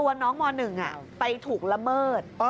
ตัวน้องม๑ไปถูกละเมิด